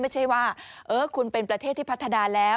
ไม่ใช่ว่าคุณเป็นประเทศที่พัฒนาแล้ว